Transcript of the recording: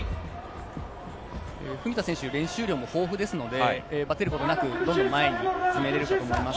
文田選手、練習量も豊富ですので、バテることなく、どんどん前に攻めれるかと思います。